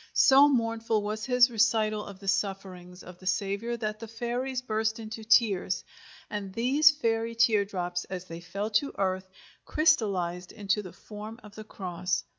So mournful was his recital of the sufferings of the Saviour that the fairies burst into tears, and these fairy tear drops, as they fell to earth, crystallized into the form of the cross.